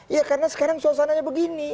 ya karena sekarang suasananya begini